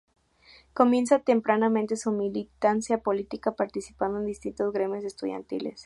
Comienza tempranamente su militancia política, participando en distintos gremios estudiantiles.